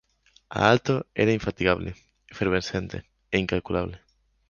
Aalto era infatigable, efervescente e incalculable.